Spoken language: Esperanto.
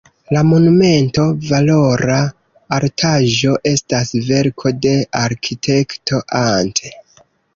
La monumento, valora artaĵo, estas verko de arkitekto Ant.